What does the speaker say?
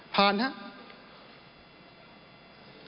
ผ่านครับ